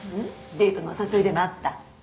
デートのお誘いでもあった？